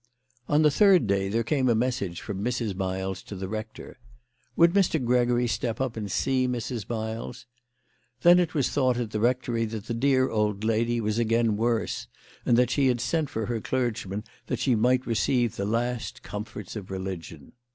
On the third day there came a message from Mrs. Miles to the rector. Would Mr. Gregory step up and see Mrs. Miles ? Then it was thought at the rectory that the dear old lady was again worse, and that she had sent for her clergyman that she might receive the last comforts of religion.